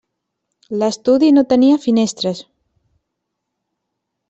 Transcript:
L'estudi no tenia finestres.